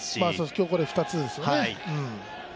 今日、これ２つですよね。